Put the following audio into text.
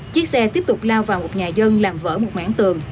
chiếc xe tiếp tục lao vào một nhà dân làm vỡ một ngã tường